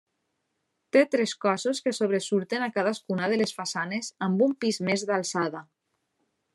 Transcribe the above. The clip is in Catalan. Té tres cossos que sobresurten a cadascuna de les façanes amb un pis més d'alçada.